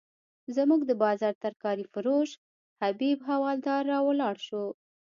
زموږ د بازار ترکاري فروش حبیب حوالدار راولاړ شو.